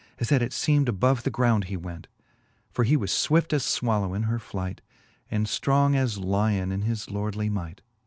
As that it feem'd above the ground he went , For he was fwift as fwallow in her flight, And ftrong as lyon in his lordly might.